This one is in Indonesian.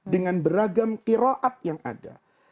dengan beragam kiroat yang ada